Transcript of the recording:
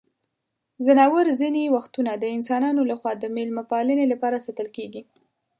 ځناور ځینې وختونه د انسانانو لخوا د مېلمه پالنې لپاره ساتل کیږي.